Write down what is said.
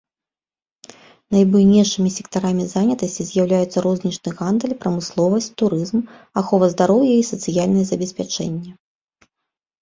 Найбуйнейшымі сектарамі занятасці з'яўляюцца рознічны гандаль, прамысловасць, турызм, ахова здароўя і сацыяльнае забеспячэнне.